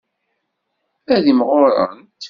Ad imɣurent.